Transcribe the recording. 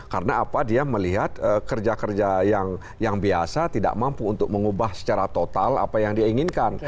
karena dia melihat kerja kerja yang biasa tidak mampu untuk mengubah secara total apa yang dia inginkan